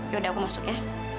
yaudah aku masuk ya